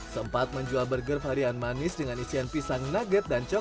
sempat menjual burger varian manis dengan isian pisang nugget dan coklat